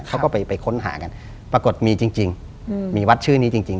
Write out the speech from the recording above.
เขาก็ไปค้นหากันปรากฏมีจริงมีวัดชื่อนี้จริง